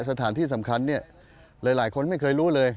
สถานที่สำคัญเนี่ยหลายคนไม่เคยรู้เลย